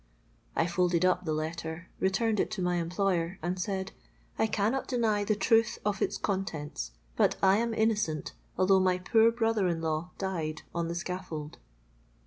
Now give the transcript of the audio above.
_'—I folded up the letter, returned it to my employer, and said, 'I cannot deny the truth of its contents; but I am innocent, although my poor brother in law died on the scaffold.'